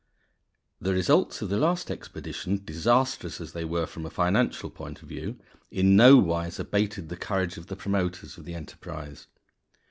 The results of the last expedition, disastrous as they were from a financial point of view, in no wise abated the courage of the promoters of the enterprise.